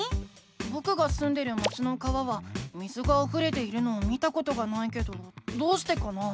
ぼくがすんでる町の川は水があふれているのを見たことがないけどどうしてかな？